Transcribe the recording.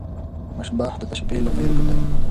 مشبه د تشبېه لومړی رکن دﺉ.